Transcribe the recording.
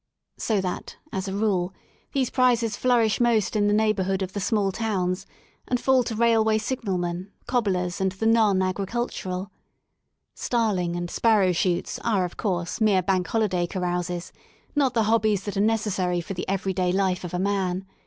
— So that, as a rule, these prizes flourish most in the neighbourhood of the small towns, and fall to railway signalmen ^ cobblers and the non agriculturaL Starling and sparrow shoots are, of course, mere bank holiday carouses, not the hobbies that are necessary for the everyday life of a man.